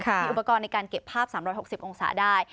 มีอุปกรณ์ในการเก็บภาพ๓๖๐องศาได้